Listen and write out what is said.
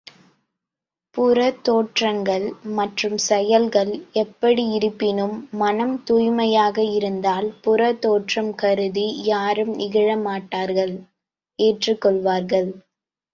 புறத்தோற்றங்கள், மற்றும் செயல்கள் எப்படியிருப்பினும் மனம் தூய்மையாக இருந்தால் புறத்தோற்றம் கருதி யாரும் இகழமாட்டார்கள் ஏற்றுக் கொள்வார்கள்.